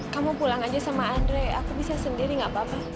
kamu pulang aja sama andre aku bisa sendiri gak apa apa